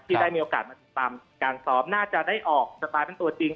ได้มีโอกาสมาติดตามการซ้อมน่าจะได้ออกสไตล์เป็นตัวจริง